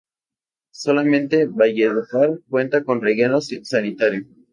Solamente Valledupar cuenta con relleno sanitario.